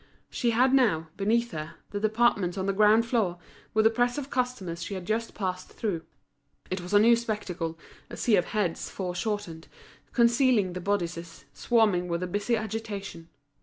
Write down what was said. She had now, beneath her, the departments on the ground floor, with the press of customers she had just passed through. It was a new spectacle, a sea of heads fore shortened, concealing the bodices, swarming with a busy agitation.